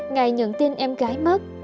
ngày nhận tin em gái mất